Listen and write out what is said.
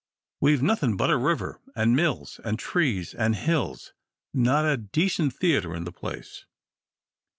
We've nothing but a river, and mills, and trees, and hills not a decent theatre in the place."